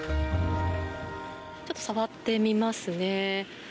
ちょっと触ってみますね。